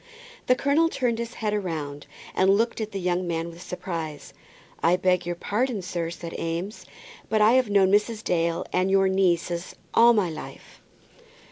The colonel turned his head round, and looked at the young man with surprise. "I beg your pardon, sir," said Eames, "but I have known Mrs. Dale and your nieces all my life."